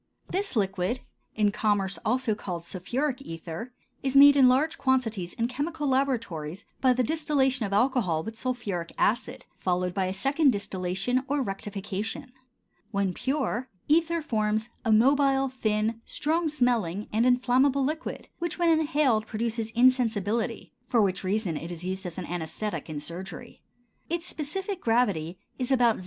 This liquid, in commerce also called sulphuric ether, is made in large quantities in chemical laboratories by the distillation of alcohol with sulphuric acid, followed by a second distillation or rectification. When pure, ether forms a mobile, thin, strong smelling, and inflammable liquid which when inhaled produces insensibility, for which reason it is used as an anæsthetic in surgery. Its specific gravity is about 0.